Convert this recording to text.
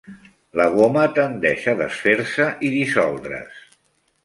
La goma tendeix a desfer-se i dissoldre's.